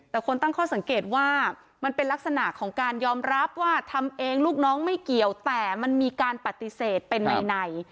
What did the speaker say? แต่คนตั้งข้อสังเกตว่ามันเป็นลักษณะของการยอมรับว่าทำเองลูกน้องไม่เกี่ยวแต่มันมีการปฏิเสธเป็นใน